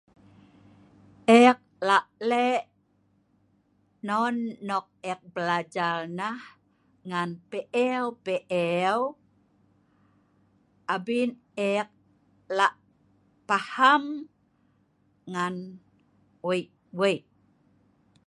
eek lak lek, non nok eek blajar nah, ngan pe'eu pe'eu, abin eek lak paham ngan wei' wei'